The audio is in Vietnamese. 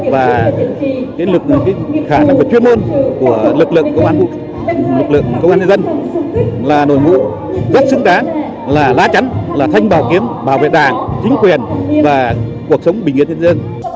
và khả năng chuyên môn của lực lượng công an nhân dân là nội ngũ rất xứng đáng là lá chắn là thanh bảo kiếm bảo vệ đảng chính quyền và cuộc sống bình yên nhân dân